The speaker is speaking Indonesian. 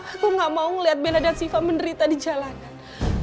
aku gak mau ngeliat bela dan siva menderita di jalanan